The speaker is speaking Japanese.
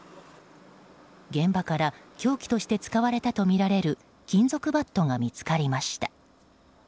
現場から凶器として使われたとみられる金属バットが見つかりました。